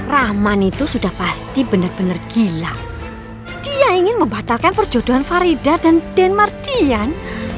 rahman itu sudah pasti benar benar gila dia ingin membatalkan perjodohan farida dan denmar tian